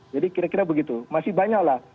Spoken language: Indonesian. jadi kira kira begitu masih banyaklah